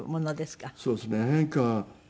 そうですね。変化。